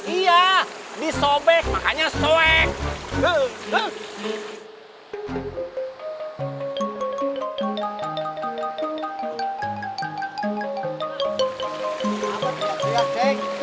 iya disobek makanya sobek